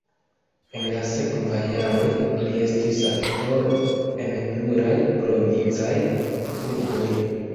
En la sekvaj jaroj li estis aktoro en pluraj provincaj urboj.